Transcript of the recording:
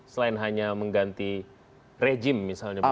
selain hanya mengganti rejim misalnya